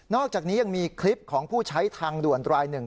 อกจากนี้ยังมีคลิปของผู้ใช้ทางด่วนรายหนึ่ง